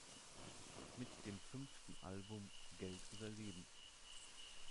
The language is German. Mit dem fünften Album "Geld oder Leben!